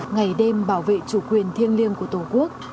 ngày đêm bảo vệ chủ quyền thiêng liêng của tổ quốc